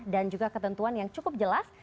dan juga ketentuan yang cukup jelas